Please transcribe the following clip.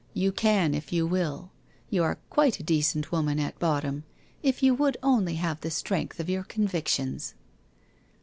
You can, if you will. You arc quite a decent woman at bottom, if you would only have the strength of your convictions